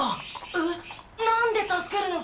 えっなんで助けるのさ。